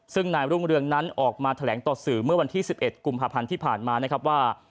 ซึ่งนายรุ่งเรืองนั้นออกมาแถลงต่อสื่อเมื่อวันที่๑๑กุมภาพันธ์ที่ผ่านมานะครับว่า